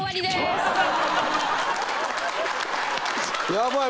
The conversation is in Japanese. ヤバい！